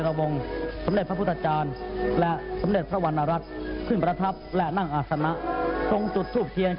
วันที่๕พฤษภาคม๒๔๙๓เวลา๙นาที